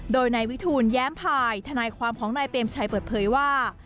โดยนายวิทูลแย้มภายทนายความของนายเปรมชัยเปิดเผยว่า